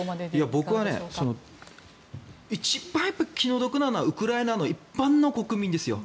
僕は一番気の毒なのはウクライナの一般の国民ですよ。